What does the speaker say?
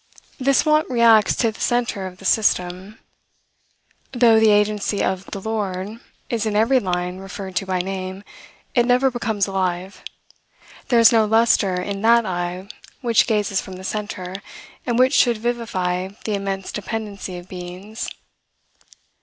This want reacts to the center of the system. Though the agency of "the Lord" is in every line referred to by name, it never becomes alive. There is no lustre in that eye which gazes from the center, and which should vivify the immense dependency of beings.